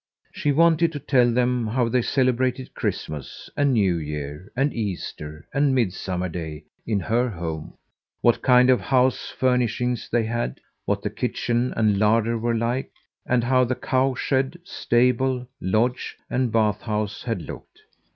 She wanted to tell them how they celebrated Christmas and New Year and Easter and Midsummer Day in her home; what kind of house furnishings they had; what the kitchen and larder were like, and how the cow shed, stable, lodge, and bath house had looked.